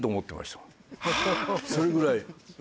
それぐらい。